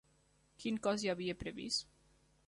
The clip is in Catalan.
Quin cost hi havia previst?